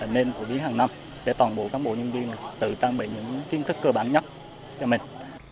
nên phổ biến hàng năm để toàn bộ cán bộ nhân viên tự trang bị những kiến thức cơ bản nhất cho mình